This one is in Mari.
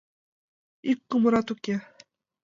— Ик кумырат уке!